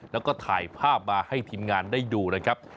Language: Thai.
แล้วก็ถ่ายภาพมาให้ทีมงานได้ดูนะครับ